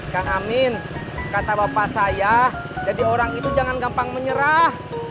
kang amin kata bapak saya jadi orang itu jangan gampang menyerah